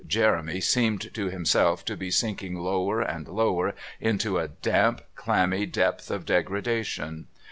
Jeremy seemed to himself to be sinking lower and lower into a damp clammy depth of degradation.